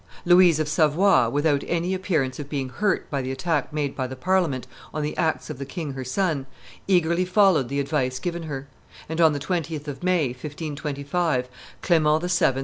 Louise of Savoy, without any appearance of being hurt by the attack made by the Parliament on the acts of the king her son, eagerly followed the advice given her; and on the 20th of May, 1525, Clement VII.